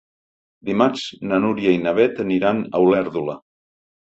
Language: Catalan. Dimarts na Núria i na Beth aniran a Olèrdola.